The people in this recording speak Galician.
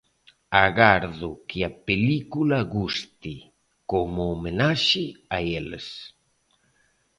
Agardo que a película guste, como homenaxe a eles.